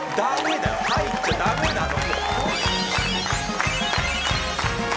入っちゃダメなの。